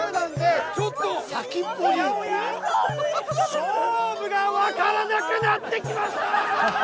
勝負がわからなくなってきました。